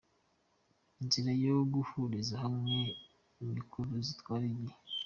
Inzira zo guhuriza hamwe amikoro zitwara igihe.